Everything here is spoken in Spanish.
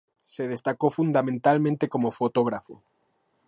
Se destacó fundamentalmente como fotógrafo.